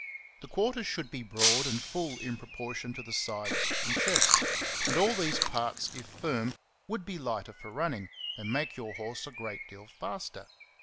The quarters should be broad and full in proportion to the sides and chest; and all these parts, if firm, would be lighter for running, and make your horse a great deal faster.